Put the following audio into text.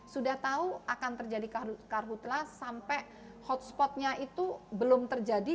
sudah tahu akan terjadi karhutlah sampai hotspotnya itu belum terjadi